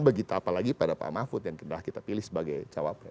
begitu apalagi pada pak mahfud yang kita pilih sebagai cawapres